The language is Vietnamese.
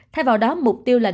thay vào đó mục tiêu lây lan